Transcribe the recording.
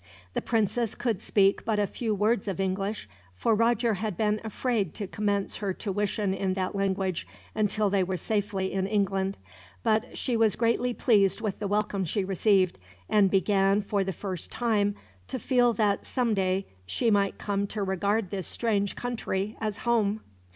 The princess could speak but a few words of English, for Roger had been afraid to commence her tuition in that language until they were safely in England: but she was greatly pleased with the welcome she received; and began, for the first time, to feel that someday she might come to regard this strange country as home.